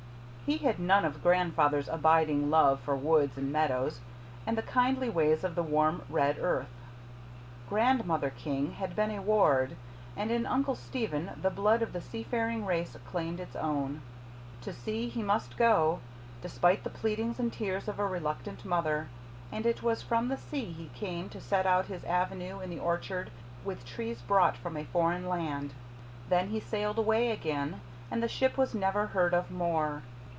He had none of grandfather's abiding love for woods and meadows and the kindly ways of the warm red earth. Grandmother King had been a Ward, and in Uncle Stephen the blood of the seafaring race claimed its own. To sea he must go, despite the pleadings and tears of a reluctant mother; and it was from the sea he came to set out his avenue in the orchard with trees brought from a foreign land. Then he sailed away again and the ship was never heard of more.